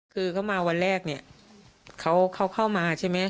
คือเขามาวันแรกเนี่ยเขาเข้ามาใช่ไหม